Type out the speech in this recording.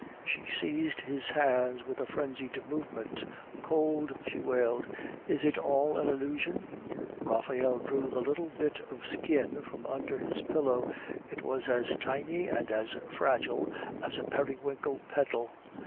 She seized his hands with a frenzied movement. "Cold!" she wailed. "Is it all an illusion?" Raphael drew the little bit of skin from under his pillow; it was as tiny and as fragile as a periwinkle petal.